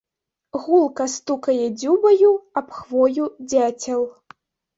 Гулка стукае дзюбаю аб хвою дзяцел.